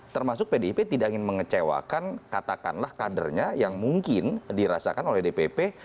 termasuk pdip tidak ingin mengecewakan katakanlah kadernya yang mungkin dirasakan oleh dpp